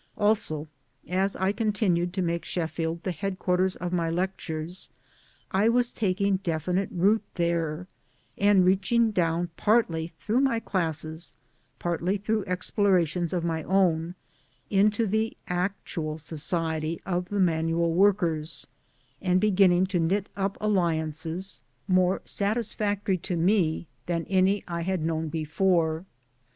Also as I continued to make Sheffield the head quarters of my lectures, I was taking definite root there, and reaching down partly through my classes, partly through explorations of my own, into the actual society of the manual workers ; and beginning to knit up alliances more satisfactory to me than 102 MY DAYS AND DREAMS any I had before known.